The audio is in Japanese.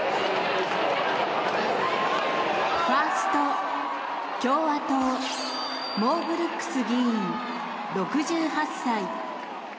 ファースト、共和党モー・ブルックス議員、６８歳。